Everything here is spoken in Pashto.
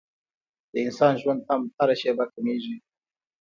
د انسان ژوند هم هره شېبه کمېږي.